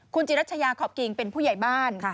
คุณจิรัชยาขอบกิ่งเป็นผู้ใหญ่บ้าน